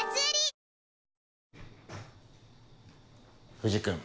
藤君